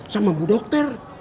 sama bu dokter